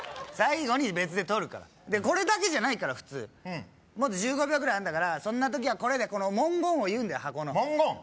最後に別で撮るからこれだけじゃないから普通もっと１５秒ぐらいあるんだから「そんな時はこれ」で文言を言うんだよ箱の文言？